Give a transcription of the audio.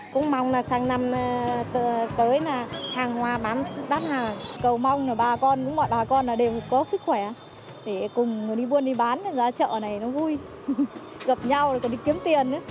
cũng mong là sang năm tới là hàng hoa bán đắt hàng cầu mong là bà con mọi bà con đều có sức khỏe để cùng đi buôn đi bán ra chợ này nó vui gặp nhau còn đi kiếm tiền nữa